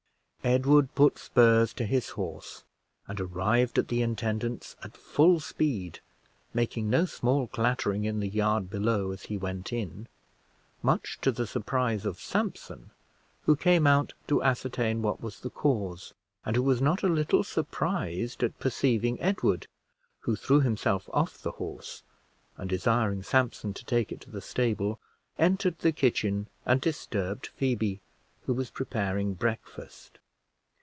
Edward put spurs to his horse, and arrived at the intendant's at full speed, making no small clattering in the yard below as he went in, much to the surprise of Sampson, who came out to ascertain what was the cause, and who was not a little surprised at perceiving Edward, who threw himself off the horse, and desiring Sampson to take it to the stable, entered the kitchen, and disturbed Phoebe, who was preparing breakfast.